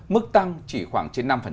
mức tăng chỉ khoảng chín mươi năm